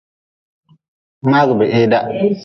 Mngagheeda.